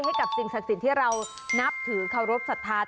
ให้กับสิ่งศักดิ์สิทธิ์ที่เรานับถือเคารพสัทธา